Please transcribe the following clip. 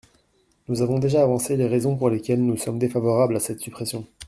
Nous avons déjà avancé les raisons pour lesquelles nous sommes défavorables à cette suppression.